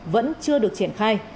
vẫn chưa được triển khai